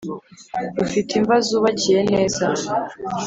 rufite imva zubakiye neza.